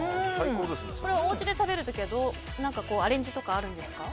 おうちで食べる時はアレンジとかあるんですか？